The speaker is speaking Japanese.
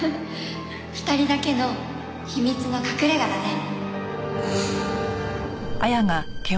２人だけの秘密の隠れ家だね。